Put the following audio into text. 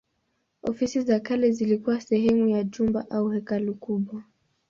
Ofisi za kale zilikuwa sehemu ya jumba au hekalu kubwa.